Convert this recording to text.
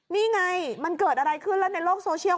นี่ไงมันเกิดอะไรขึ้นแล้วในโลกโซเชียล